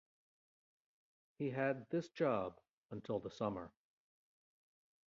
He had this job until the summer.